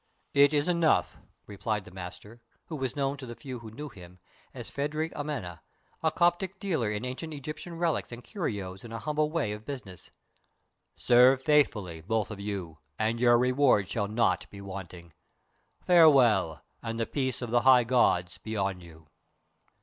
"It is enough," replied the Master, who was known to the few who knew him as Phadrig Amena, a Coptic dealer in ancient Egyptian relics and curios in a humble way of business. "Serve faithfully, both of you, and your reward shall not be wanting. Farewell, and the peace of the High Gods be on you."